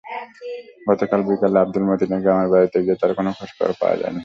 গতকাল বিকেলে আবদুল মতিনের গ্রামের বাড়িতে গিয়ে তাঁর কোনো খোঁজ পাওয়া যায়নি।